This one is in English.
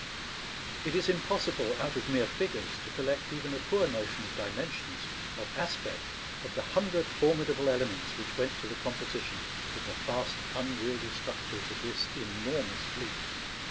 It is impossible out of mere figures to collect even a poor notion of dimensions, of aspect, of the hundred formidable elements which went to the composition of the vast unwieldy structures of this enormous fleet.